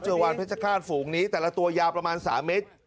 วานเพชรฆาตฝูงนี้แต่ละตัวยาวประมาณ๓เมตร